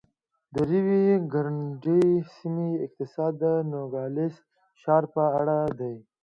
د ریو ګرنډي سیمې اقتصاد د نوګالس ښار په اړه دی.